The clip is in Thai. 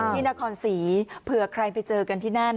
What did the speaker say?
ที่นครศรีเผื่อใครไปเจอกันที่นั่น